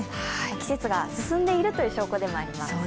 季節が進んでいるという証拠でもあります。